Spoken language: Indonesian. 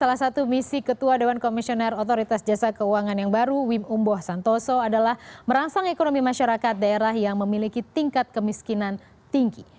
salah satu misi ketua dewan komisioner otoritas jasa keuangan yang baru wim umboh santoso adalah merangsang ekonomi masyarakat daerah yang memiliki tingkat kemiskinan tinggi